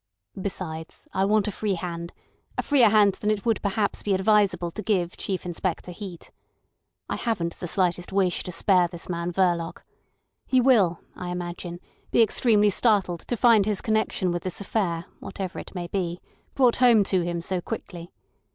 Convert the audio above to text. Besides, I want a free hand—a freer hand than it would be perhaps advisable to give Chief Inspector Heat. I haven't the slightest wish to spare this man Verloc. He will, I imagine, be extremely startled to find his connection with this affair, whatever it may be, brought home to him so quickly.